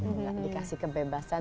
nggak dikasih kebebasan